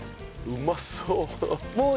うまそう！